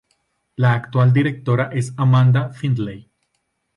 La actual directora es Amanda Findlay.